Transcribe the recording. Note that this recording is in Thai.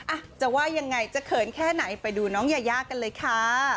อ่ะจะว่ายังไงจะเขินแค่ไหนไปดูน้องยายากันเลยค่ะ